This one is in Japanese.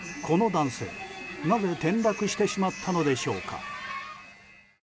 この男性、なぜ転落してしまったのでしょうか。